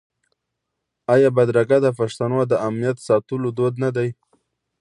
آیا بدرګه د پښتنو د امنیت ساتلو دود نه دی؟